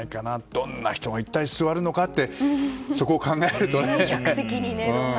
どんな人が一体座るのかってそこを考えるとね。